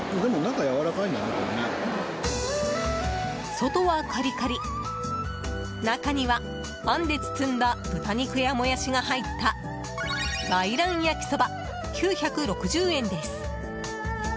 外はカリカリ中には、あんで包んだ豚肉やモヤシが入った梅蘭やきそば、９６０円です。